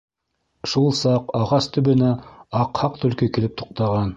Шул саҡ ағас төбөнә аҡһаҡ төлкө килеп туҡтаған.